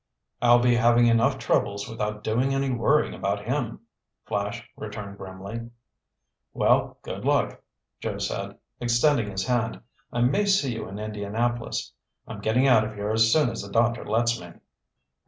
"I'll be having enough troubles without doing any worrying about him," Flash returned grimly. "Well, good luck," Joe said, extending his hand. "I may see you in Indianapolis. I'm getting out of here as soon as the doctor lets me."